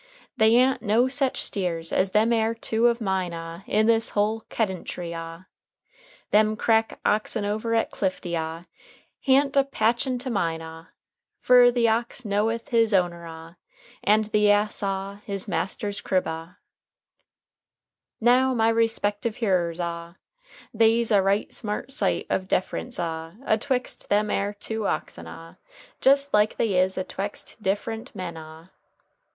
] "They a'n't no sech steers as them air two of mine ah in this whole kedentry ah. Them crack oxen over at Clifty ah ha'n't a patchin' to mine ah. Fer the ox knoweth his owner ah and the ass ah his master's crib ah. "Now, my respective hearers ah, they's a right smart sight of defference ah atwext them air two oxen ah, jest like they is atwext defferent men ah.